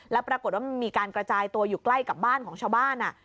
แล้วปรากฏว่ามันมีการกระจายตัวอยู่ใกล้กับบ้านของชาวบ้าน